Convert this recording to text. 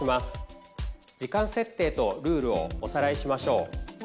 時間設定とルールをおさらいしましょう。